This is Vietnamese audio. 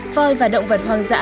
voi và động vật hoang dã